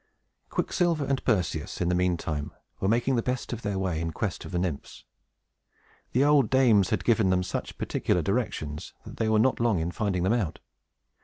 Quicksilver and Perseus, in the mean time, were making the best of their way in quest of the Nymphs. The old dames had given them such particular directions, that they were not long in finding them out.